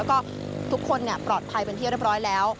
แล้วก็ทุกคนปลอดภัยเป็นที่เรียบร้อยแล้ว